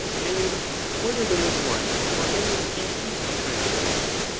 And whether there is one, or many species of friendship